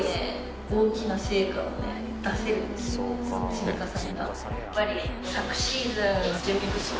積み重ねが。